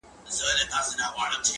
• او چي روږد سي د بادار په نعمتونو -